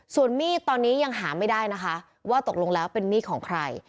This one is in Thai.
ส่วนมีดตอนนี้ยังหาไม่ได้นะคะว่าตกลงแล้วเป็นมีดของใคร